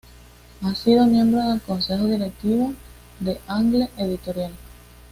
Ha sido miembro del consejo directivo de Angle Editorial.